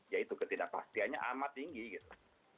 ya itu ketidakpastiannya amat tinggi gitu